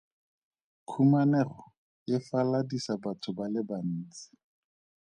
Khumanego e faladisa batho ba le bantsi.